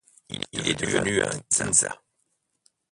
Il est devenu un kinza.